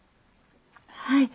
はい。